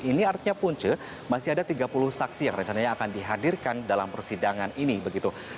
ini artinya punce masih ada tiga puluh saksi yang rencananya akan dihadirkan dalam persidangan ini begitu